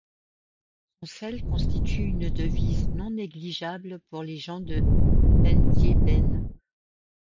Son sel constitue une devise non négligeable pour les gens de Ndiébéne.